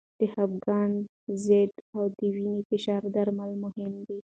د خپګان ضد او د وینې فشار درمل مهم دي.